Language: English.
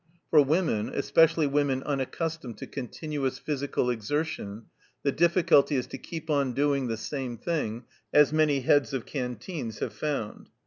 For women, especially women unaccustomed to continuous physical exertion, the difficulty is to keep on doing the same thing, as many heads of canteens have found.